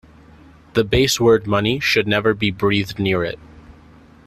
The base word money should never be breathed near it!